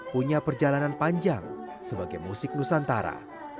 punya perjalanan panjang sebagai musik nusantara